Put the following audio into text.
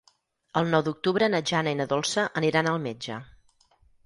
El nou d'octubre na Jana i na Dolça aniran al metge.